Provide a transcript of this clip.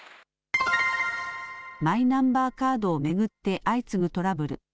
マイナンバーカードを巡って相次ぐトラブル。